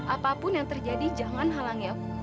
apapun yang terjadi jangan halangi aku